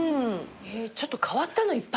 ちょっと変わったのいっぱいあるね。